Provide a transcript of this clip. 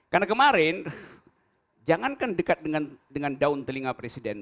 karena kemarin jangankan dekat dengan daun telinga presiden